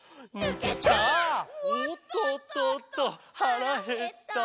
「おっとっとっとはらへった」